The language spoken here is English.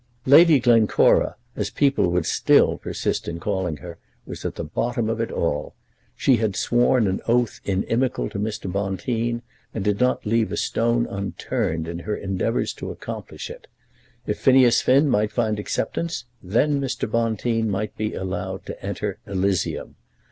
Lady Glencora, as people would still persist in calling her, was at the bottom of it all. She had sworn an oath inimical to Mr. Bonteen, and did not leave a stone unturned in her endeavours to accomplish it. If Phineas Finn might find acceptance, then Mr. Bonteen might be allowed to enter Elysium.